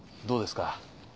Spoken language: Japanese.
どうですか？